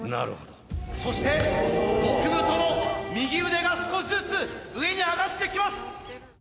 そして極太の右腕が少しずつ上に上がってきます！